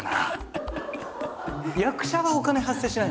役者はお金発生しないの。